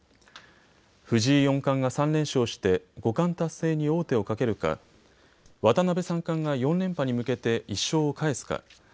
藤井四冠が３連勝して五冠達成に王手をかけるか渡辺三冠が４連覇に向けて１勝を返すか